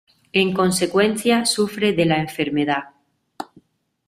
En consecuencia sufre de la enfermedad.